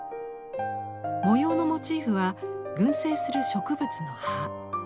模様のモチーフは群生する植物の葉。